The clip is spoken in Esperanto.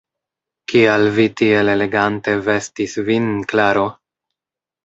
Kial vi tiel elegante vestis vin, Klaro?